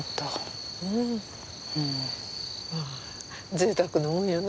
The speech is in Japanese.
ぜいたくなもんやな。